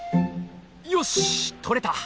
よし取れた！